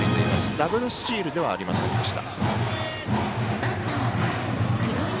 ダブルスチールではありませんでした。